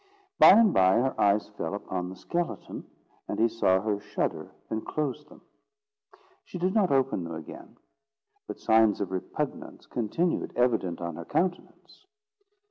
By and by her eyes fell upon the skeleton, and he saw her shudder and close them. She did not open them again, but signs of repugnance continued evident on her countenance.